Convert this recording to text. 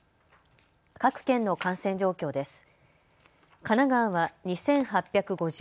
各県の感染状況です。